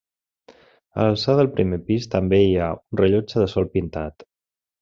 A l'alçada del primer pis també hi ha un rellotge de sol pintat.